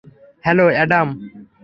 Hello, Adam.